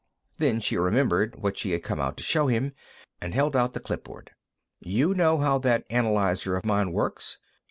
Then she remembered what she had come out to show him, and held out the clipboard. "You know how that analyzer of mine works?